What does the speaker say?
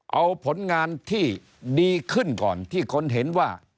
เอาผลงานที่ดีขึ้นก่อนที่คนเห็นว่า